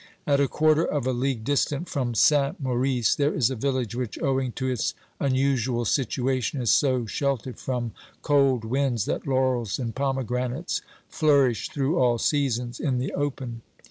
At a quarter of a league distant from Saint 400 OBERMANN Maurice there is a village which, owing to its unusual situation, is so sheltered from cold winds that laurels and pomegranates flourish through all seasons in the open.